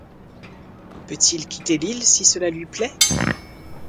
Peut-il quitter l’île si cela lui plaît